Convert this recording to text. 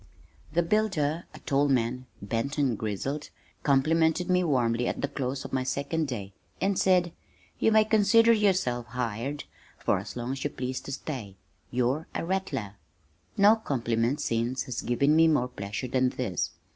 The builder, a tall man, bent and grizzled, complimented me warmly at the close of my second day, and said, "You may consider yourself hired for as long as you please to stay. You're a rattler." No compliment since has given me more pleasure than this.